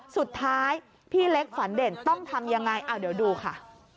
สุดท้ายพี่เล็กฝันเด่นต้องทำยังไงเดี๋ยวดูค่ะ